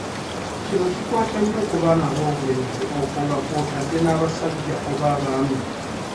Kino kikwata nnyo ku baana ab’obulenzi okwo nga kw’otadde n’abasajja oba abaami.